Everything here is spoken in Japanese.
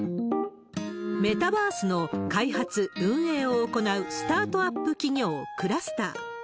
メタバースの開発、運営を行うスタートアップ企業、クラスター。